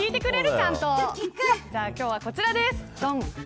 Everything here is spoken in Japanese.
じゃあ今日はこちらです。